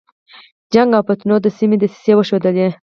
جګړو او فتنو د سيمې دسيسې وښودلې.